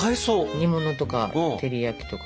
煮物とか照り焼きとか。